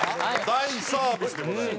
大サービスでございます。